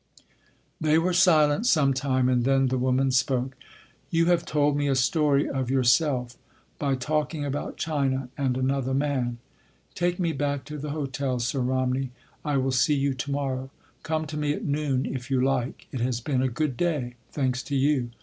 They were silent some time and then the woman spoke: "You have told me a story of yourself—by talking about China and another man.... Take me back to the hotel, Sir Romney, I will see you to morrow. Come to me at noon if you like. It has been a good day—thanks to you.